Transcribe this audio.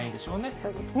そうですね。